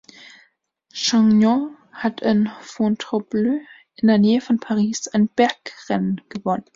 Chaigneau hat in Fontainebleau in der Nähe von Paris ein Bergrennen gewonnen.